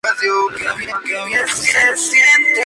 Sus plumas de vuelo son de color azul cobalto con bordes verdes.